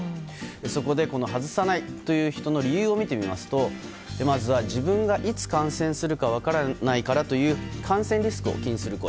そこで外さないという人の理由を見てみますとまずは自分がいつ感染するか分からないからという感染リスクを気にする声。